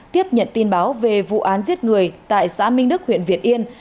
tiếp nhận tin báo về vụ án giết người tại xã minh đức huyện việt yên